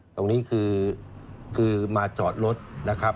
ตรงนี้คือมาจอดรถนะครับ